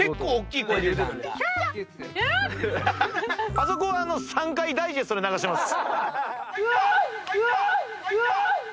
あそこは３回ダイジェストで流します。